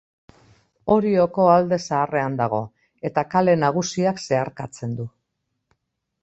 Orioko Alde Zaharrean dago, eta Kale Nagusiak zeharkatzen du.